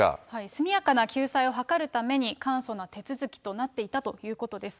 速やかな救済を図るために簡素な手続きとなっていたということです。